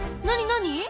何？